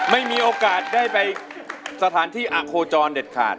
ไม่มีโอกาสได้ไปสถานที่อโคจรเด็ดขาด